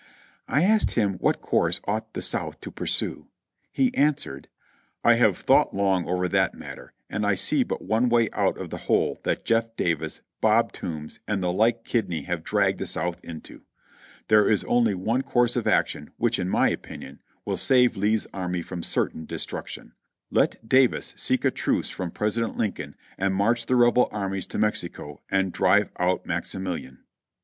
I asked him what course ought the South to pursue. He answered : "I have thought long over that matter, and I see but one way out of the hole that Jeff Davis, Bob Toombs, and the like kidney have dragged the South into. There is only one course of action which, in my opinion, will save Lee's army from certain destruction : Let Davis seek a truce from President Lin coln and march the Rebel armies to Mexico, and drive out Maxi milian."